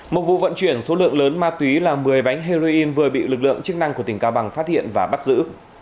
một vụ vận chuyển số lượng lớn ma túy là một mươi bánh heroin vừa bị lực lượng chức năng của tỉnh cao bằng phát hiện và bắt giữ